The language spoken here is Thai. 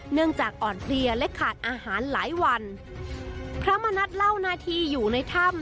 เนื่องจากอ่อนเพลียและขาดอาหารหลายวันพระมณัฐเล่าหน้าที่อยู่ในถ้ำ